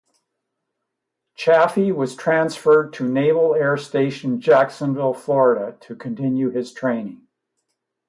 Chaffee was transferred to Naval Air Station Jacksonville, Florida, to continue his training.